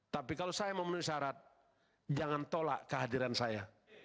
tapi kalau saya memenuhi syarat jangan tolak kehadiran saya